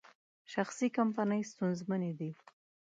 شخصي کمپنۍ ستونزمنې دي.